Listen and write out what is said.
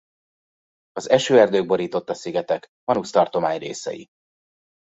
Az esőerdők borította szigetek Manus tartomány részei.